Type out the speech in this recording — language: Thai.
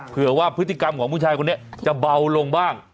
เผื่อว่าพฤติกรรมของผู้ชายคนนี้จะเบาลงบ้าง